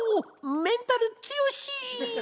メンタルつよし！